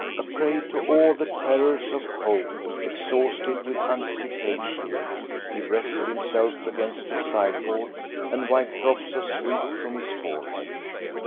A prey to all the terrors of hope, exhausted with anticipation, he rested himself against the sideboard and wiped drops of sweat from his forehead.